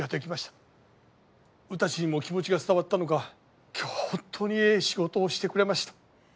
鵜たちにも気持ちが伝わったのか今日はホントにええ仕事をしてくれました。